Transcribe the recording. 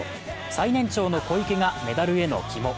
最年長の小池がメダルへの肝。